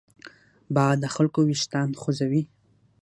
باد د خلکو وېښتان خوځوي